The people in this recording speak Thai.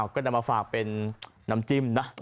ก็นำมาฝากเป็นน้ำจิ้มนะ